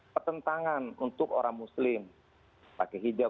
pertentangan untuk orang muslim pakai hijab